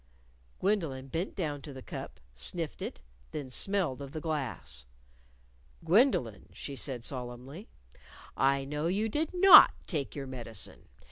_" Jane bent down to the cup, sniffed it, then smelled of the glass. "Gwendolyn," she said solemnly, "I know you did not take your medicine.